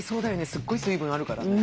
すっごい水分あるからね。